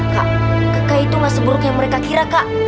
kak kakak itu gak seburuk yang mereka kira kak